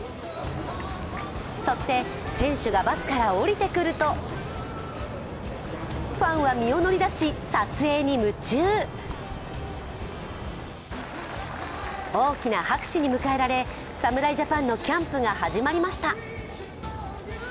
そして、選手がバスから降りてくるとファンは身を乗り出し、撮影に夢中大きな拍手に迎えられ、侍ジャパンのキャンプが始まりました。